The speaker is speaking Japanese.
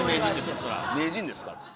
名人ですから。